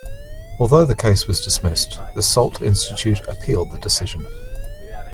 Although the case was dismissed, the Salt Institute appealed the decision.